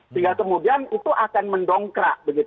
sehingga kemudian itu akan mendongkrak